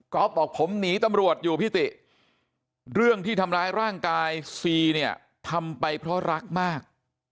ก็บอกผมหนีตำรวจอยู่พี่ติเรื่องที่ทำร้ายร่างกายซีเนี่ยทำไปเพราะรักมาก